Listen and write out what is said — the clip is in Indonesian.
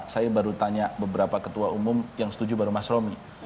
saya baru tanya beberapa ketua umum yang setuju baru mas romi